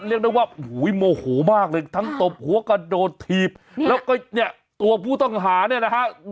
เรียกได้ว่าโอ้โหโมโหมากเลยทั้งตบหัวกระโดดถีบแล้วก็เนี่ยตัวผู้ต้องหาเนี่ยนะฮะ